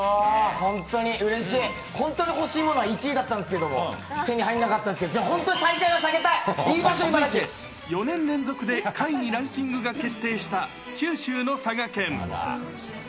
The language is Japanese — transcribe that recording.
本当に欲しいものは１位だったんですけれども、手に入んなかったですけど、ちょっと本当に最下位は避けたい、いきましょう、続いて、４年連続で下位にランキングが決定した、九州の佐賀県。